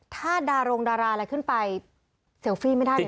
ถ้าดารงดาราอะไรขึ้นไปเซลฟี่ไม่ได้เลย